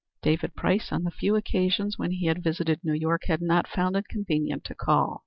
David Price, on the few occasions when he had visited New York, had not found it convenient to call.